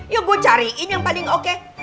ya gua cariin yang paling oke